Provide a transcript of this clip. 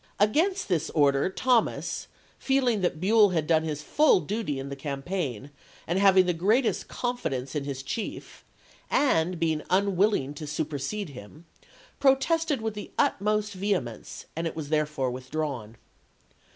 Against this PEEKYVILLE AND MUEFREESBORO 277 order Thomas, feeling that Buell had done his full ch. xiir. duty in the campaign, and having the greatest con fidence in his chief, and being unwilling to super sede him, protested with the utmost vehemence, and it was therefore withdrawn.